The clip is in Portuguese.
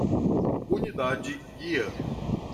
Unidade guia